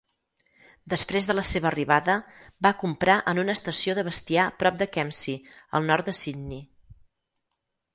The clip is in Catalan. Després de la seva arribada, va comprar en una estació de bestiar prop de Kempsey, al nord de Sydney.